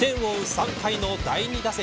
３回の第２打席。